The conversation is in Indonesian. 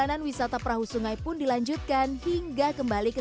inilah bungerang di indonesia